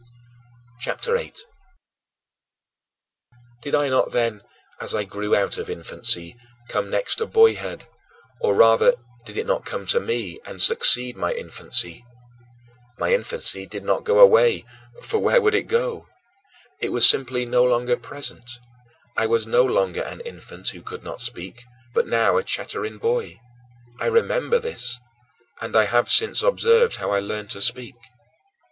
CHAPTER VIII 13. Did I not, then, as I grew out of infancy, come next to boyhood, or rather did it not come to me and succeed my infancy? My infancy did not go away (for where would it go?). It was simply no longer present; and I was no longer an infant who could not speak, but now a chattering boy. I remember this, and I have since observed how I learned to speak.